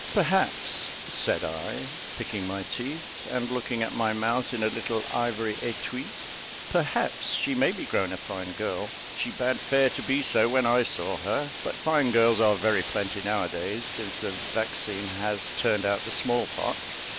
"Perhaps," said I, picking my teeth, and looking at my mouth in a little ivory etui "perhaps she may be grown a fine girl: she bade fair to be so when I saw her; but fine girls are very plenty now a days, since the Vaccine has turned out the small pox.